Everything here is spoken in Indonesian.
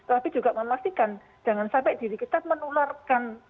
tapi juga memastikan jangan sampai diri kita menularkan